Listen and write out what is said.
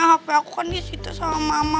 hp aku kan disita sama mama